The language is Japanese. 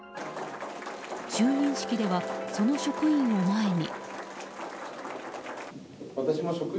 就任式ではその職員を前に。